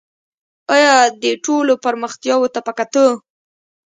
آیا دې ټولو پرمختیاوو ته په کتو